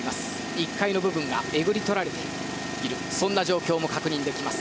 １階の部分がえぐり取られているそんな状況も確認できます。